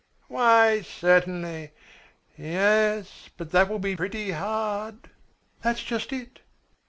Why certainly! Yes, but that will be pretty hard." "That's just it."